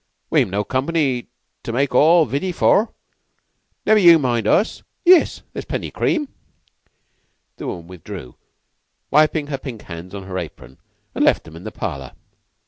"We'm no company to make all vitty for. Never yeou mind us. Yiss. There's plenty cream." The woman withdrew, wiping her pink hands on her apron, and left them in the parlor.